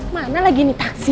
mana lagi ini taksi